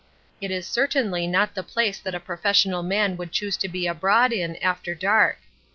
It is certainly not the place that a professional man would choose to be abroad in after dark.